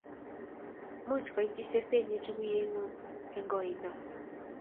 Much kuityi sesenyu chukuyenyu eng' kindoindo